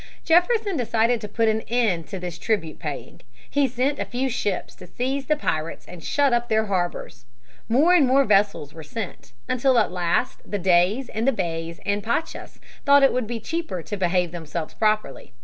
Jefferson decided to put an end to this tribute paying. He sent a few ships to seize the pirates and shut up their harbors. More and more vessels were sent, until at last the Deys and Beys and Pachas thought it would be cheaper to behave themselves properly.